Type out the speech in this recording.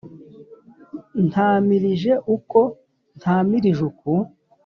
Ntamilije uko ntamirije uku.